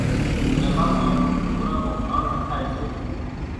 چلان مان ڍوران نون ڀاڻ نکائيَ سي۔